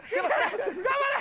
頑張れ！